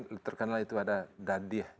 kalau yang terkenal itu ada dadih